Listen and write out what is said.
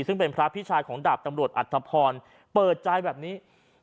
ซึ่งเป็นพระพี่ชายของดาบตำรวจอัตภพรเปิดใจแบบนี้